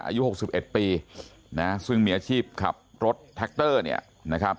อายุหกสิบเอ็ดปีนะครับซึ่งมีอาชีพขับรถเนี่ยนะครับ